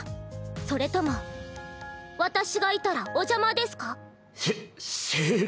それとも私がいたらお邪魔ですか？